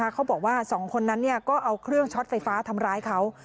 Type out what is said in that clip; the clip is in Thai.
เขาบอกว่า๒คนนั้นก็เอาเครื่องช็อตไฟฟ้าทำร้ายเขา